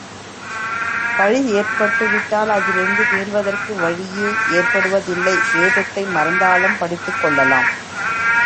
பழி ஏற்பட்டுவிட்டால் அதிலிருந்து மீள்வதற்கு வழியே ஏற்படுவதில்லை வேதத்தை மறந்தாலும் படித்துக் கொள்ளலாம்.